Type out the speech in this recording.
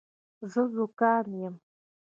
زه زوکام یم